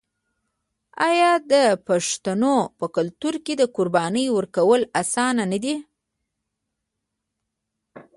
آیا د پښتنو په کلتور کې د قربانۍ ورکول اسانه نه دي؟